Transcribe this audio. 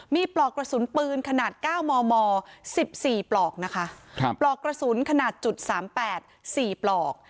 มีปลอกกระสุนปืนขนาด๙มม๑๔ปลอกนะคะปลอกกระสุนขนาด๓๘๔ปลอก